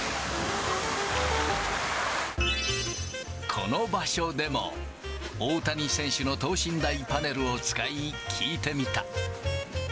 この場所でも、大谷選手の等身大パネルを使い、聞いてみた。